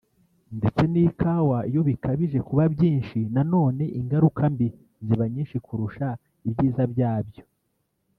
ndetse n’ikawa iyo bikabije kuba byinshi na none ingaruka mbi ziba nyinshi kurusha ibyiza byabyo